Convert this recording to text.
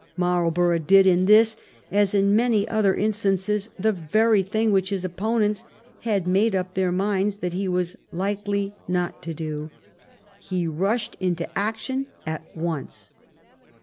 Marl borough did in this, as in many other instances, the very thing which his opponents had made up their minds that he was likely not to do. He rushed into action at once.